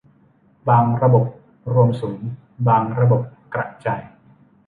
บางระบบรวมศูนย์ บางระบบกระจาย